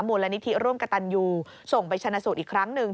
มูลนิธิร่วมกับตันยูส่งไปชนะสูตรอีกครั้งหนึ่ง